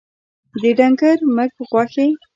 د ډنګر مږ غوښي